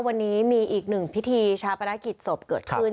วันนี้มีอีกหนึ่งพิธีชาปนกิจศพเกิดขึ้น